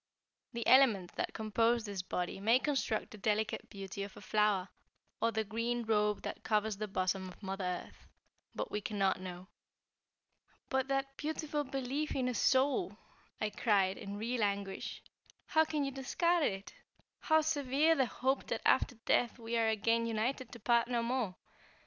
The elements that compose this body may construct the delicate beauty of a flower, or the green robe that covers the bosom of Mother Earth, but we cannot know." "But that beautiful belief in a soul," I cried, in real anguish, "How can you discard it? How sever the hope that after death, we are again united to part no more?